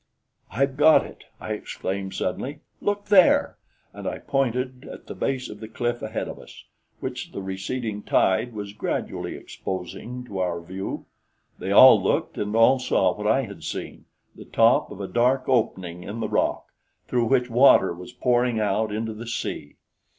"I've got it!" I exclaimed suddenly. "Look there!" And I pointed at the base of the cliff ahead of us, which the receding tide was gradually exposing to our view. They all looked, and all saw what I had seen the top of a dark opening in the rock, through which water was pouring out into the sea.